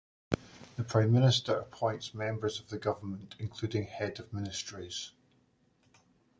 The Prime Minister appoints members of the Government, including heads of ministries.